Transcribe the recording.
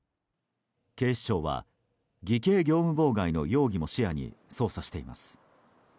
警視庁は偽計業務妨害の容疑も視野に捜査しています。